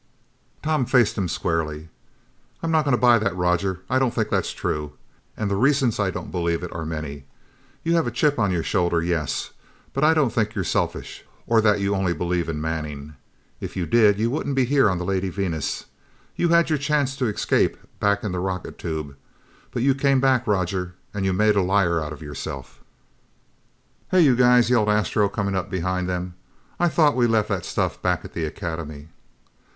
Tom faced him squarely. "I'm not going to buy that, Roger! I don't think that's true. And the reasons I don't believe it are many. You have a chip on your shoulder, yes. But I don't think you're selfish or that you only believe in Manning. If you did, you wouldn't be here on the Lady Venus. You had your chance to escape back in the rocket tube, but you came back, Roger, and you made a liar out of yourself!" "Hey, you guys!" yelled Astro, coming up behind them. "I thought we left that stuff back at the Academy?"